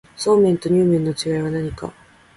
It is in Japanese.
そうめんとにゅう麵の違いは何か